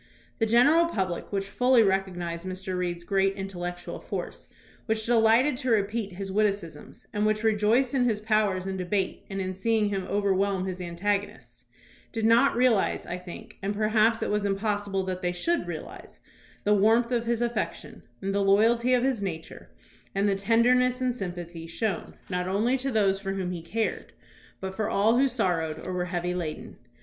The general public, which fully recognized Mr. Reed's great intellectual force, which delighted to repeat his witticisms, and which rejoiced in his powers in debate and in seeing him over whelm his antagonists, did not realize, I think, and perhaps it was impossible that they should realize, the warmth of his affection, the loyalty of his nature, and the tenderness and sympathy shown not only to those THOMAS BRACKETT REED 193 for whom he cared, but for all who sorrowed or were heavy laden.